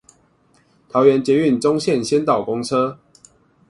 桃園捷運棕線先導公車